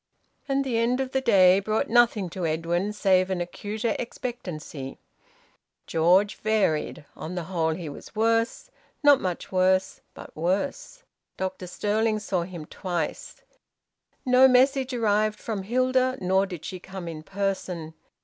And the end of the day brought nothing to Edwin save an acuter expectancy. George varied; on the whole he was worse; not much worse, but worse. Dr Stirling saw him twice. No message arrived from Hilda, nor did she come in person.